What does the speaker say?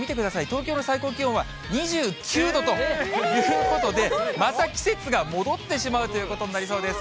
東京の最高気温は２９度ということで、また季節が戻ってしまうということになりそうです。